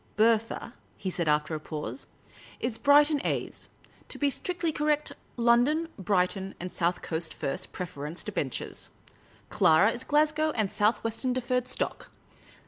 " Bertha," he said, after a pause, " is Brighton A's — to be strictly correct, London, Brighton, and South Coast First Preference Debentures. Clara is Glasgow and South Western Deferred Stock.